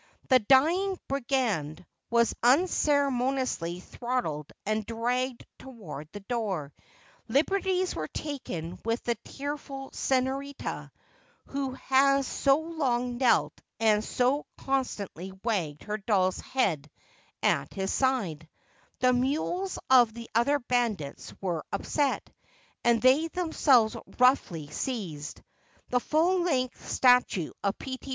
The "Dying Brigand" was unceremoniously throttled and dragged toward the door; liberties were taken with the tearful "Senorita," who has so long knelt and so constantly wagged her doll's head at his side; the mules of the other bandits were upset, and they themselves roughly seized. The full length statue of P. T.